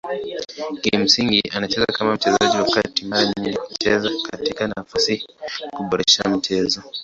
Kimsingi anacheza kama mchezaji wa kati mara nyingi kucheza katika nafasi kuboresha mchezo.